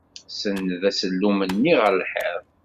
Senned asellum-nni ɣer lḥiḍ.